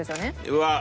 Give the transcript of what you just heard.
うわっ！